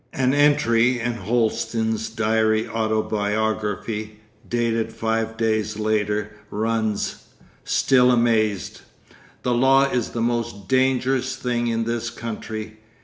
...' An entry in Holsten's diary autobiography, dated five days later, runs: 'Still amazed. The law is the most dangerous thing in this country.